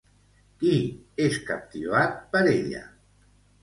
Qui és captivat per ella?